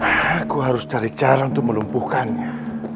aku harus cari cara untuk melumpuhkannya